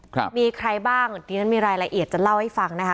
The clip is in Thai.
ครับมีใครบ้างดิฉันมีรายละเอียดจะเล่าให้ฟังนะคะ